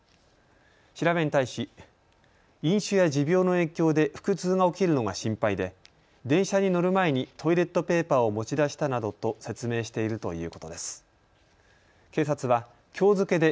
調べに対し飲酒や持病の影響で腹痛が起きるのが心配で電車に乗る前にトイレットペーパーを持ち出したなどと説明しているということです。